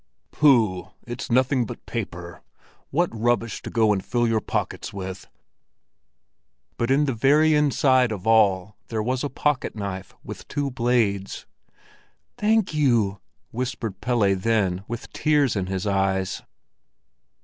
"Pooh, it's nothing but paper! What rubbish to go and fill your pockets with!" But in the very inside of all there was a pocket knife with two blades. "Thank you!" whispered Pelle then, with tears in his eyes.